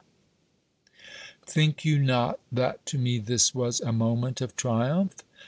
_ Think you not that to me this was a moment of triumph?